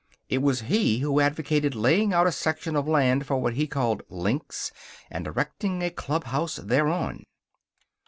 It was he who advocated laying out a section of land for what he called links, and erecting a clubhouse thereon.